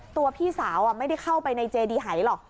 พี่สาวไม่ได้เข้าไปในเจดีหายหรอก